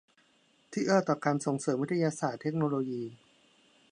ที่เอื้อต่อการส่งเสริมวิทยาศาสตร์เทคโนโลยี